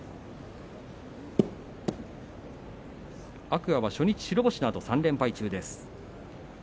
天空海は初日白星のあと３連敗中。